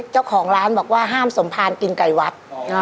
เจ้าของร้านบอกว่าห้ามสมภารกินไก่วัด